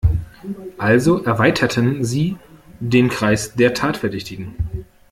Also erweiterten sie den Kreis der Tatverdächtigen.